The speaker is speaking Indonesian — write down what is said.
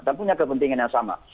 dan punya kepentingan yang sama